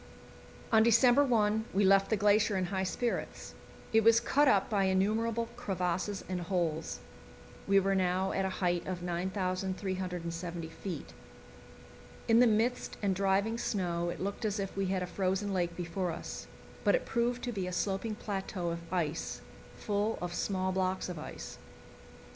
On December 1 we left the glacier in high spirits. It was cut up by innumerable crevasses and holes. We were now at a height of 9,370 feet. In the mist and driving snow it looked as if we had a frozen lake before us; but it proved to be a sloping plateau of ice, full of small blocks of ice.